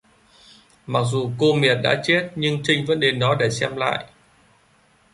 Mặc dù cô Miệt đã chết nhưng Trinh vẫn đến đó để xem lại